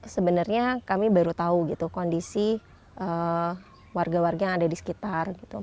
sebenarnya kami baru tahu gitu kondisi warga warga yang ada di sekitar